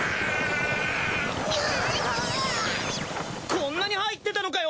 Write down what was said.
こんなに入ってたのかよ！？